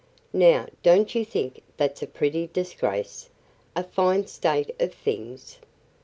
Now, don't you think that's a pretty disgrace, a fine state of things?"